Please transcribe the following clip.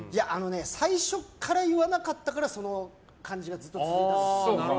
最初から言わなかったからその感じがずっと続いた。